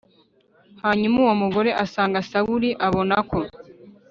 Hanyuma uwo mugore asanga Sawuli abona ko